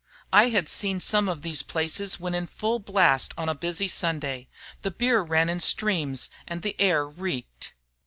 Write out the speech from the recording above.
I had seen some of these places when in full blast on a busy Sunday. The beer ran in streams and the air reeked."